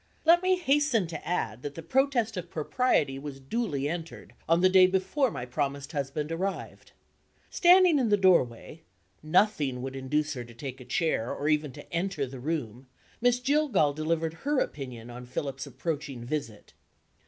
Let me hasten to add that the protest of Propriety was duly entered, on the day before my promised husband arrived. Standing in the doorway nothing would induce her to take a chair, or even to enter the room Miss Jillgall delivered her opinion on Philip's approaching visit.